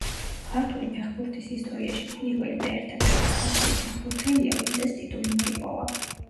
ქართული ფეხბურთის ისტორიაში პირველი და ერთადერთი ქართველი ფეხბურთელია, ვინც ეს ტიტული მოიპოვა.